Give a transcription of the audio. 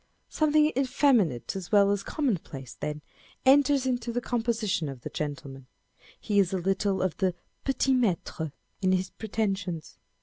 Something effeminate as well as commonplace, then, enters into the composition of the gentleman : he is a little of the pctit maitre in his pre tensions.